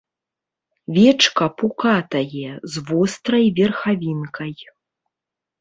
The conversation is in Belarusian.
Вечка пукатае, з вострай верхавінкай.